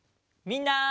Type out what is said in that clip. みんな！